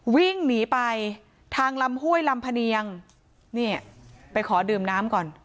วิ่งหนีไปทางลำห้วยลำพะเนียงเนี่ยไปขอดื่มน้ำก่อน